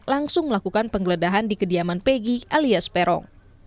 langsung melakukan penggeledahan di kediaman pegi alias peron